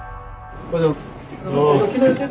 おはようございます。